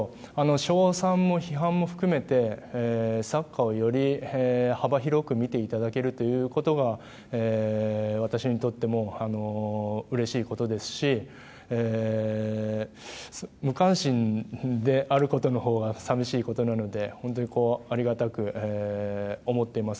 称賛も批判も含めてサッカーをより幅広く見ていただけるということが私にとってもうれしいことですし無関心であることのほうが寂しいことなので本当にありがたく思っています。